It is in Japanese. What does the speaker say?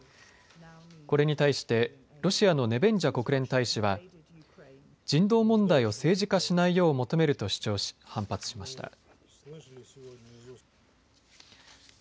これに対してロシアのネベンジャ国連大使は人道問題を政治化しないよう求めると主張し、反発しました。